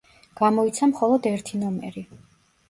გამოიცა მხოლოდ ერთი ნომერი.